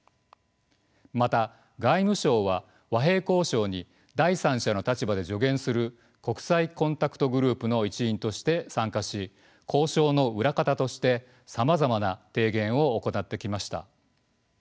また外務省は和平交渉に第三者の立場で助言する国際コンタクト・グループの一員として参加し交渉の裏方としてさまざまな提言を行ってきました。